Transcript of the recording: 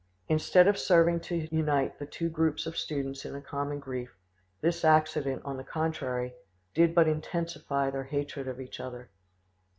Instead of serving to unite the two groups of students in a common grief, this accident, on the contrary, did but intensify their hatred of each other.